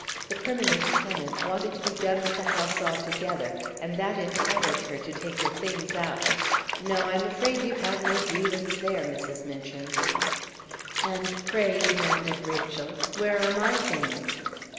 The permanent tenant wanted to be done with the house altogether, and that entitled her to take her things out. No, I'm afraid you have no grievance there, Mrs. Minchin." "And pray," demanded Rachel, "where are my things?"